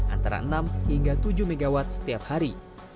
antara enam hingga tujuh mw setiap hari